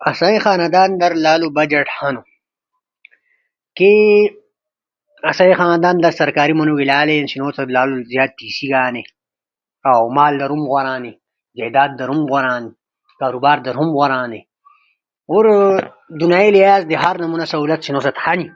آسئی خاندان در لالو بجٹ ہنو، کے آسئی خاندان ست سرکاری منوڙی بینو، آسو ست لالو زیاد پیسی ہنی۔ اؤ مال در ہم غورا ہنی، جائیداد مائیداد در ہم غورا ہنی۔ کاروبار ہم غورا ہنی۔ ہور دنیائی لحاظ در ہر سہولت آسو ست ہنی۔